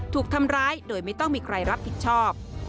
ถูกทำร้ายโดยไม่ต้องมีใครรับผิดชอบ